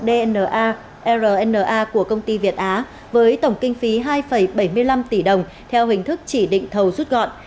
dna rna của công ty việt á với tổng kinh phí hai bảy mươi năm tỷ đồng theo hình thức chỉ định thầu rút gọn